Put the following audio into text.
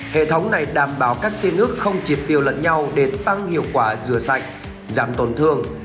hệ thống này đảm bảo các tiên nước không triệt tiêu lẫn nhau để tăng hiệu quả rửa sạch giảm tổn thương